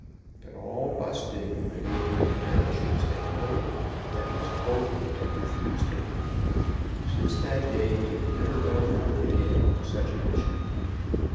But all Buston and the neighboring parishes had known that Miss Courteney had refused him. Since that day he had never gone forth again on such a mission.